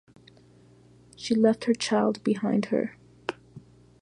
She left her child behind her.